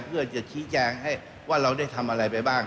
เพื่อจะชี้แจงให้ว่าเราได้ทำอะไรไปบ้าง